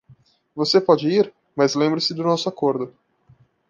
Você pode ir?, mas lembre-se do nosso acordo.